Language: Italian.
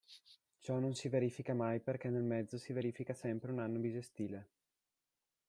Ciò non si verifica mai perché nel mezzo si verifica sempre un anno bisestile.